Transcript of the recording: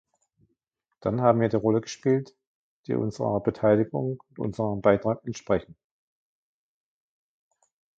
Dann haben wir die Rolle gespielt, die unserer Beteiligung und unserem Beitrag entsprechen.